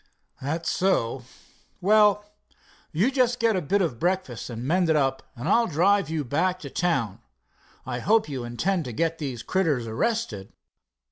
"That's so. Well, you just get a bit of breakfast and mended up, and I'll drive you back to town. I hope you intend to get those critters arrested."